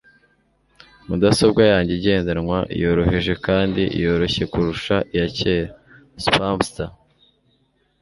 Mudasobwa yanjye igendanwa yoroheje kandi yoroshye kurusha iyakera (Spamster)